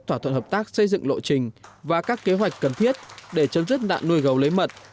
công tác xây dựng lộ trình và các kế hoạch cần thiết để chấm dứt nạn nuôi gấu lấy mật